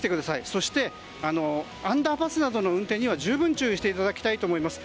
そして、アンダーパスなどの運転には十分、注意していただきたいと思います。